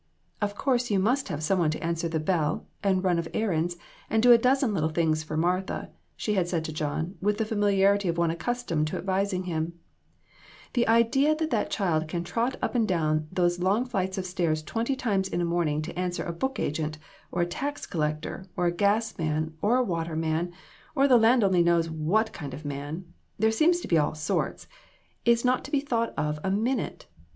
" Of course, you must have some one to answer the bell, and run of errands, and do a dozen little things for Martha," she had said to John, with the familiarity of one accustomed to advising him ;" the idea that that child can trot up and down these long flights of stairs twenty times in a morning to answer a book agent, or a tax collector, or a gas man, or a water man, or the land only knows what kind of a man there seem to be all sorts is not to be thought of a minute.